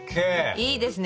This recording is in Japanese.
いいですね。